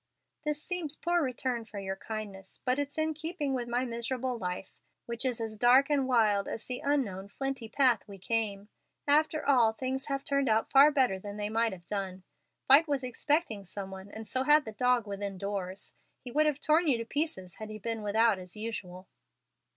This seems poor return for your kindness, but it's in keeping with my miserable life, which is as dark and wild as the unknown flinty path we came. After all, things have turned out far better than they might have done. Vight was expecting some one, and so had the dog within doors. He would have torn you to pieces had he been without as usual."